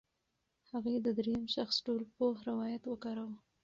هغې د درېیم شخص ټولپوه روایت وکاراوه.